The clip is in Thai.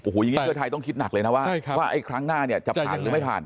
โอ้โหอย่างนี้เพื่อไทยต้องคิดหนักเลยนะว่าไอ้ครั้งหน้าเนี่ยจะผ่านหรือไม่ผ่าน